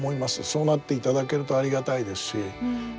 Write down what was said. そうなっていただけるとありがたいですし